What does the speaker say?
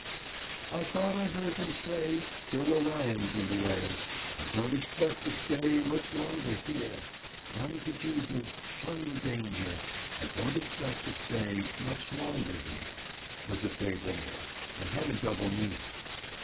"I thought I heard them say There were lions in the way ; I don't expect to stay Much longer here. Run to Jesus, shun the danger. I don't expect to stay Much longer here," was a favorite air, and had a double meaning.